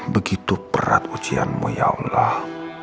begitu berat ujianmu ya allah